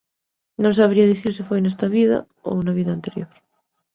Non sabería dicir se foi nesta vida ou nunha vida anterior.